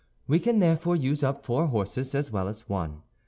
We can therefore use up four horses as well as one.